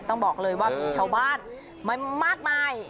ต้องบอกเลยว่ามีชาวบ้านมามากมาย